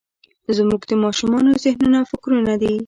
زموږ د ماشومانو ذهنونه او فکرونه دي.